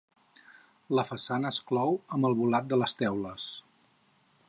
La façana es clou amb el volat de les teules.